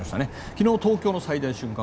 昨日、東京の最大瞬間